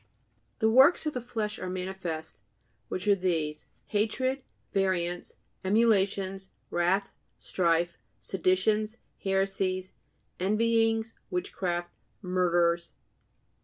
"The works of the flesh are manifest, which are these: ... hatred, variance, emulations, wrath, strife, seditions, heresies, envyings, witchcraft, murders."